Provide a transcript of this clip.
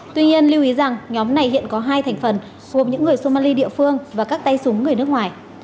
tuy nhiên lưu ý rằng nhóm này hiện có hai thành phần gồm những người somali địa phương và các tay súng người nước ngoài